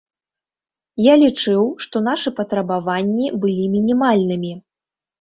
Я лічыў, што нашы патрабаванні былі мінімальнымі.